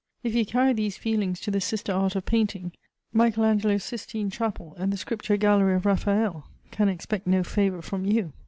If you carry these feelings to the sister art of Painting, Michael Angelo's Sixtine Chapel, and the Scripture Gallery of Raphael can expect no favour from you.